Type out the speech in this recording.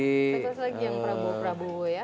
sekali lagi yang prabowo prabowo ya